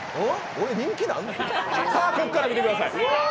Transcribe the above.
ここから見てください。